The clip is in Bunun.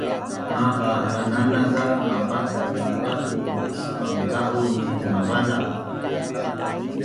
Maqat bananaz za mapataz zi ba’bu’ ispangka’un ni mavala